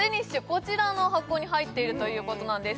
こちらの箱に入っているということなんです